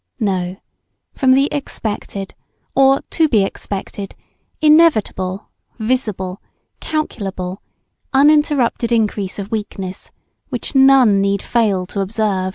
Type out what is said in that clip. No, from the unexpected, or to be expected, inevitable, visible, calculable, uninterrupted increase of weakness, which none need fail to observe.